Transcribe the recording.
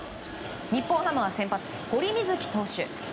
日本ハムは先発、堀瑞輝投手。